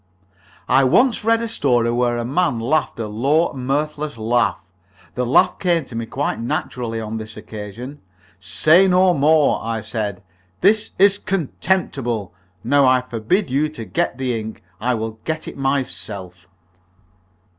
I once read a story where a man laughed a low, mirthless laugh. The laugh came to me quite naturally on this occasion. "Say no more," I said. "This is contemptible. Now I forbid you to get the ink I will get it myself."